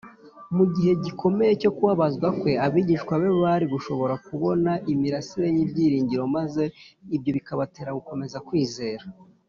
mu gihe gikomeye cyo kubabazwa kwe, abigishwa be bari gushobora kubona imirasire y’ibyiringiro maze ibyo bikabatera gukomeza kwizera